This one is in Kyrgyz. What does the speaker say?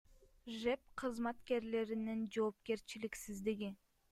ЖЭБ кызматкерлеринин жоопкерчиликсиздиги.